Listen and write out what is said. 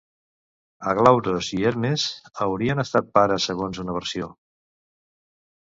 Aglauros i Hermes haurien estat pares, segons una versió?